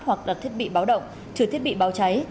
hoặc đặt thiết bị báo động trừ thiết bị báo cháy